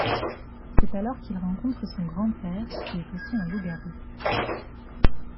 C'est alors qu'il rencontre son grand-père qui est aussi un loup-garou.